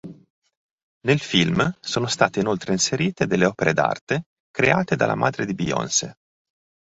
Nel film sono state inoltre inserite delle opere d'arte create dalla madre di Beyoncé.